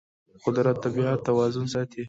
قدرت د طبیعت توازن ساتي.